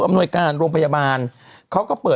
ดื่มน้ำก่อนสักนิดใช่ไหมคะคุณพี่